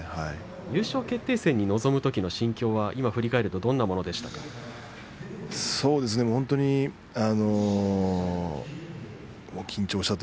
優勝決定戦に臨むときの気持ちは今、振り返るとどんな気持ちでしたか。